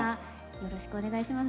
よろしくお願いします。